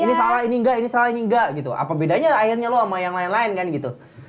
ini salah ini enggak ini salah ini enggak gitu apa bedanya airnya lo sama yang lain lain kan gitu